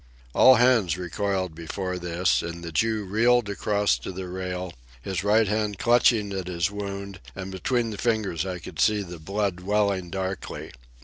All hands recoiled before this, and the Jew reeled across to the rail, his right hand clutching at his wound, and between the fingers I could see the blood welling darkly.